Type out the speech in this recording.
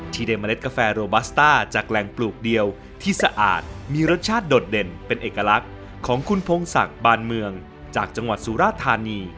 ที่ได้เมล็ดกาแฟโรบัสต้าจากแหล่งปลูกเดียวที่สะอาดมีรสชาติโดดเด่นเป็นเอกลักษณ์ของคุณพงศักดิ์บานเมืองจากจังหวัดสุราธานี